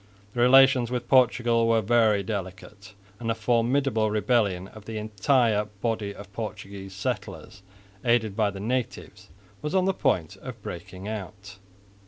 The relations with Portugal were very delicate; and a formidable rebellion of the entire body of Portuguese settlers, aided by the natives, was on the point of breaking out.